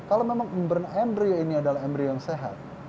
kalau memang burn embryo ini adalah embryo yang sehat